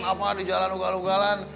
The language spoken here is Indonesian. dipikir keren apa di jalan ugal ugalan